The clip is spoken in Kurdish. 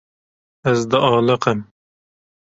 Ez dialiqim.